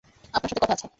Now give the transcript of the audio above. আপনার সাথে কথা আছে।